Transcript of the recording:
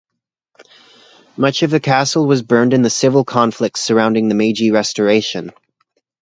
Much of the castle was burned in the civil conflicts surrounding the Meiji Restoration.